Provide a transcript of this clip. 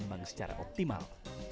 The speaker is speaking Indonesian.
tapi berkembang secara optimal